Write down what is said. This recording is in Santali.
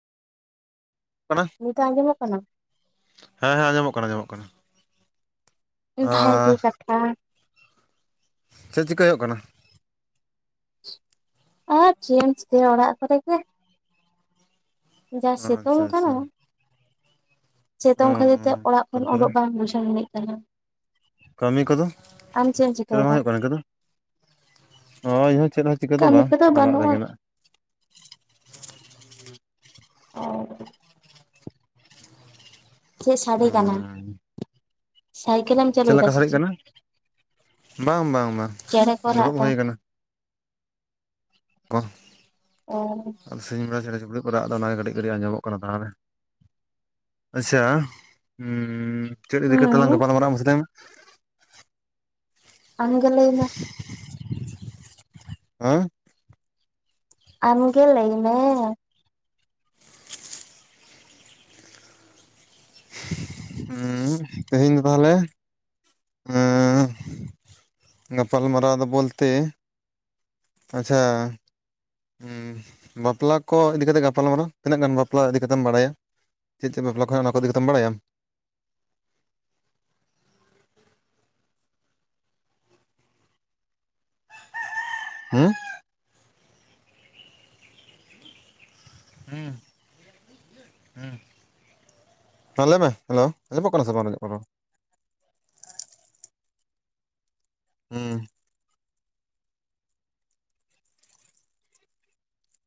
ᱠᱟᱱᱟ ᱱᱤᱛᱚᱜ ᱟᱸᱡᱚᱢᱚᱜ ᱠᱟᱱᱟ? ᱦᱮᱸ ᱦᱮᱸ ᱟᱸᱡᱚᱢᱚᱜ ᱠᱟᱱᱟ ᱟᱸᱡᱚᱢᱚᱜ ᱠᱟᱱᱟ᱾ ᱵᱷᱟᱜᱮ ᱟᱨ ᱠᱟᱛᱷᱟ᱾ ᱪᱮᱫ ᱪᱤᱠᱟᱹᱭ ᱦᱩᱭᱩᱜ ᱠᱟᱱᱟ? ᱟᱨ ᱪᱮᱫ ᱮᱢ ᱪᱤᱠᱟᱹᱭᱟ ᱚᱲᱟᱜ ᱠᱚᱨᱮ ᱜᱮ᱾ ᱡᱟ ᱟᱪᱪᱷᱟ ᱥᱤᱛᱳᱝ ᱟᱪᱪᱷᱟ ᱠᱟᱱᱟ, ᱥᱮᱛᱚᱝ ᱠᱷᱟᱹᱛᱤᱨ ᱛᱮ ᱚᱸ ᱚᱲᱟᱜ ᱠᱷᱚᱱ ᱳᱰᱳᱜ ᱛᱟᱨᱯᱚᱨᱮ ᱵᱟᱝ ᱵᱩᱡᱷᱟᱹᱣ ᱟᱹᱱᱤᱡ ᱠᱟᱱᱟ᱾ ᱠᱟᱹᱢᱤ ᱠᱚᱫᱚ, ᱟᱢ ᱮᱢ ᱪᱮᱫ ᱦᱚᱸ ᱵᱟᱝ ᱪᱤᱠᱟᱹᱭᱮᱫᱟ? ᱦᱩᱭᱩᱜ ᱠᱟᱱᱟ ᱤᱱᱠᱟᱹ ᱫᱚ? ᱱᱚᱜ-ᱚᱭ ᱤᱧᱦᱚᱸ ᱪᱮᱫ ᱦᱚᱸ ᱪᱤᱠᱟᱹ ᱫᱚ ᱠᱟᱹᱢᱤ ᱵᱟᱝ, ᱠᱚᱫᱚ ᱚᱲᱟᱜ ᱵᱟᱹᱱᱩᱜᱼᱟ ᱨᱮᱜᱮ ᱱᱟᱜ᱾ ᱚᱻ᱾ ᱪᱮᱫ ᱥᱟᱰᱮ ᱠᱟᱱᱟ, ᱚᱸ ᱥᱟᱭᱠᱮᱞᱮᱢ ᱪᱟᱹᱞᱩᱭᱫᱟ ᱞᱮᱠᱟ ᱥᱮ ᱥᱟᱰᱮᱜ ᱪᱮᱫ? ᱠᱟᱱᱟ ᱵᱟᱝ ᱵᱟᱝ ᱵᱟᱝ, ᱪᱮᱬᱮ ᱠᱚ ᱨᱟᱜ ᱫᱩᱲᱩᱵ ᱮᱫᱟ ᱦᱩᱭ ᱠᱟᱱᱟ᱾ [unintelligible] ᱚᱻ᱾ ᱥᱤᱧ ᱵᱮᱲᱟ ᱪᱮᱸᱬᱮ ᱪᱩᱯᱲᱤᱡ ᱠᱚ ᱨᱟᱜ ᱫᱟ ᱚᱱᱟᱜᱮ ᱠᱟᱹᱴᱤᱡ ᱠᱟᱹᱴᱤᱡ ᱟᱸᱡᱚᱢᱚᱜ ᱠᱟᱱᱟ ᱛᱟᱦᱚᱞᱮ᱾ ᱟᱪᱪᱷᱟ, ᱩᱸᱻ ᱪᱮᱫ ᱤᱫᱤ ᱠᱟᱛᱮᱜ ᱞᱟᱝ ᱦᱩᱸ ᱜᱟᱯᱟᱞ ᱢᱟᱨᱟᱜ-ᱟ ᱢᱟᱥᱮ ᱞᱟᱹᱭ ᱢᱮ? ᱟᱢ ᱜᱮ ᱞᱟᱹᱭ ᱢᱮ᱾ ᱦᱮᱸ? ᱟᱢ ᱜᱮ ᱞᱟᱹᱭ ᱢᱮ᱾ ᱩᱸᱻ ᱦᱮᱸ ᱛᱮᱦᱮᱧ ᱫᱚ ᱛᱟᱦᱚᱞᱮ ᱮᱸᱻ, ᱜᱟᱯᱟᱞ ᱢᱟᱨᱟᱣ ᱫᱚ ᱵᱚᱞᱛᱮ ᱟᱪᱪᱷᱟ ᱩᱸᱦ ᱵᱟᱯᱞᱟ ᱠᱚ ᱤᱫᱤ ᱠᱟᱛᱮ ᱜᱟᱯᱟᱞᱢᱟᱨᱟᱣ, ᱛᱤᱱᱟᱹᱜ ᱜᱟᱱ ᱵᱟᱯᱞᱟ ᱤᱫᱤ ᱠᱟᱛᱮᱢ ᱵᱟᱲᱟᱭᱟ? ᱪᱮᱫ ᱪᱮᱫ ᱵᱟᱯᱞᱟ ᱠᱚ ᱦᱮᱱᱟᱜ-ᱟ ᱚᱱᱟ ᱠᱚ ᱤᱫᱤ ᱠᱟᱛᱮᱢ ᱵᱟᱲᱟᱭᱟᱢ? ᱦᱮᱸ? ᱦᱩᱸ ᱦᱮᱸ ᱞᱟᱹᱭ ᱢᱮ, ᱦᱮᱞᱳᱣ! ᱟᱸᱡᱚᱢᱚᱜ ᱠᱟᱱᱟ ᱥᱮ ᱵᱟᱝ ᱟᱸᱡᱚᱢᱚᱜ ᱠᱟᱱᱟ ᱨᱚᱲ? ᱦᱩᱸ